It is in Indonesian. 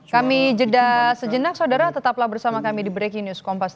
kami jeda sejenak saudara tetaplah bersama kami di breaking news